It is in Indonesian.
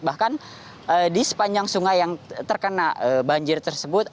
bahkan di sepanjang sungai yang terkena banjir tersebut